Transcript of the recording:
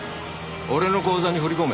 俺の口座に振り込め。